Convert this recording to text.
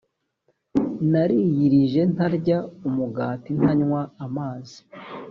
nariyirije ntarya umugati ntanywa n’amazi.